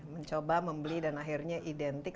mencoba membeli dan akhirnya identik